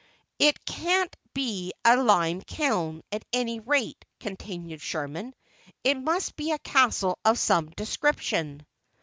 "It can't be a lime kiln, at any rate," continued Sherman; "it must be a castle of some description."